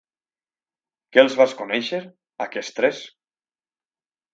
Que els vas conèixer, aquests tres?